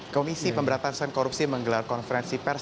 komisi pemberantasan korupsi menggelar konferensi pers